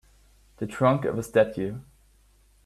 The trunk of a statue